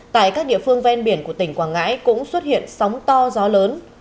tại các địa phương ven biển của tỉnh quảng ngãi cũng xuất hiện sóng to gió lớn